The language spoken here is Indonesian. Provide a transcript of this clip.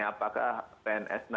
pernah kemarin diperdebatkan mengenai